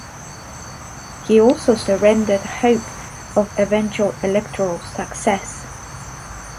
He also surrendered hope of eventual electoral success.